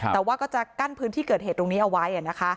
แต่ว่าก็จะกั้นพื้นที่เกิดเหตุตรงนี้เอาไว้นะคะ